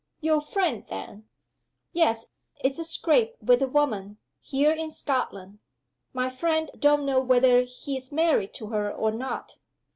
"Your friend, then?" "Yes. It's a scrape with a woman. Here in Scotland. My friend don't know whether he's married to her or not."